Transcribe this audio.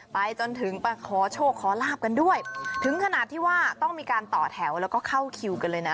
ไปจนถึงไปขอโชคขอลาบกันด้วยถึงขนาดที่ว่าต้องมีการต่อแถวแล้วก็เข้าคิวกันเลยนะ